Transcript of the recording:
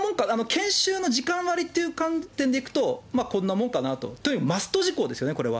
研修の時間割っていう観点でいくと、こんなもんかなと。というよりマスト事項ですよね。